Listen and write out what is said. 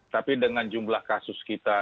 tapi dengan jumlah kasus kita